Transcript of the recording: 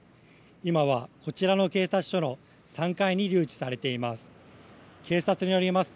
今はこちらの警察署の３階に留置されています。